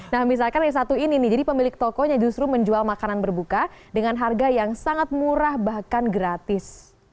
nah misalkan yang satu ini nih jadi pemilik tokonya justru menjual makanan berbuka dengan harga yang sangat murah bahkan gratis